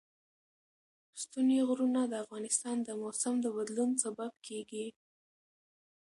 ستوني غرونه د افغانستان د موسم د بدلون سبب کېږي.